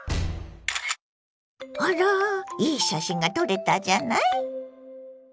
あらいい写真が撮れたじゃない。